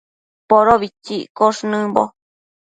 Podobitsi iccosh nëmbo